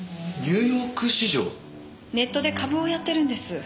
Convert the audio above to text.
ネットで株をやってるんです。